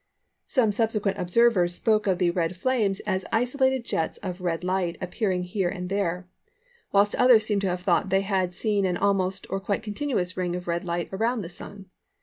Some subsequent observers spoke of the Red Flames as isolated jets of red light appearing here and there; whilst others seem to have thought they had seen an almost or quite continuous ring of red light around the Sun.